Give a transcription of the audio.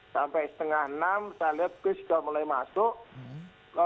sampai setengah enam saya lihat bus sudah mulai masuk